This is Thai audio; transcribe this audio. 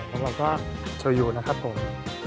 แล้วก็ชอยูนะครับผม